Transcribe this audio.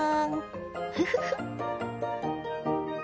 フフフ。